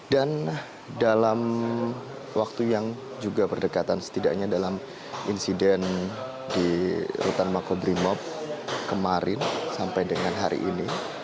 dan dalam waktu yang juga berdekatan setidaknya dalam insiden di rutan makodrimob kemarin sampai dengan hari ini